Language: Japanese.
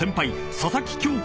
佐々木恭子